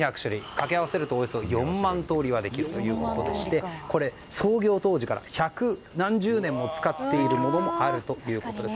掛け合わせるとおよそ４万通りはできるということで創業当時から百何十年も使っているものもあるということです。